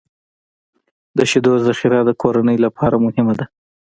د شیدو ذخیره د کورنۍ لپاره مهمه ده.